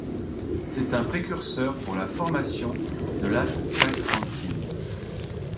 C'est un précurseur pour la formation de l'astaxanthine.